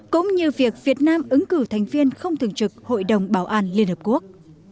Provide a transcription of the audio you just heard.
cũng như việc việt nam ứng cử thành viên không thường trực hội đồng bảo an liên hợp quốc